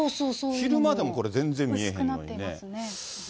昼間でもこれ、全然見えへんのにね。